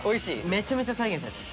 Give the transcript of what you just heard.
めちゃめちゃ再現されてる。